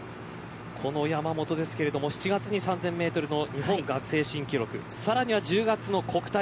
この山本ですが７月に３０００メートルの日本学生新記録さらには１０月の国体。